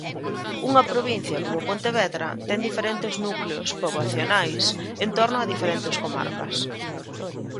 Unha provincia como Pontevedra ten diferentes núcleos poboacionais en torno a diferentes comarcas.